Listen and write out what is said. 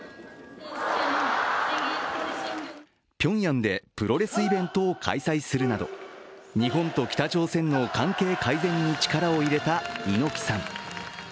ピョンヤンでプロレスイベントを開催するなど、日本と北朝鮮の関係改善に力を入れた猪木さん。